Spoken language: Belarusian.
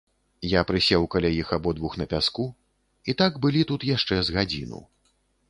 Я прысеў каля іх абодвух на пяску, і так былі тут яшчэ з гадзіну.